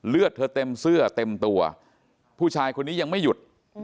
เลือดเธอเต็มเสื้อเต็มตัวผู้ชายคนนี้ยังไม่หยุด